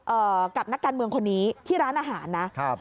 กับนักการเมืองคนนี้ที่ร้านอาหารนะครับ